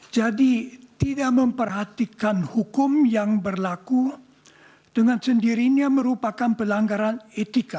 jadi tidak memperhatikan hukum yang berlaku dengan sendirinya merupakan pelanggaran etika